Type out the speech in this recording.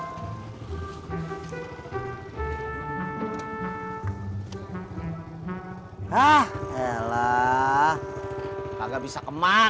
hai ah ah eh lah kagak bisa kemakan dani